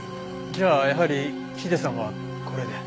じゃあやはりヒデさんはこれで？